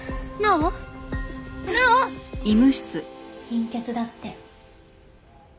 貧血だって。